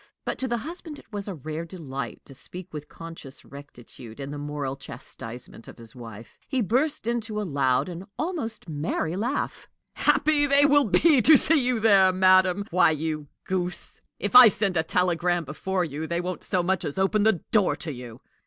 But to the husband it was a rare delight to speak with conscious rectitude in the moral chastisement of his wife. He burst into a loud and almost merry laugh. "Happy they will be to see you there, madam! Why, you goose, if I send a telegram before you, they won't so much as open the door to you!